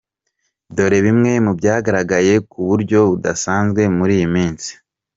I. Dore bimwe mu byagaragaye ku buryo budasanzwe muri iyi minsi :